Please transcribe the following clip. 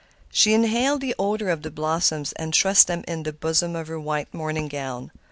She inhaled the odor of the blossoms and thrust them into the bosom of her white morning gown.